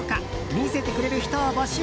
見せてくれる人を募集。